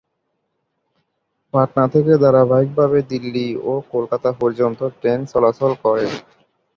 পাটনা থেকে ধারাবাহিক ভাবে দিল্লি ও কলকাতা পর্যন্ত ট্রেন চলাচল করে।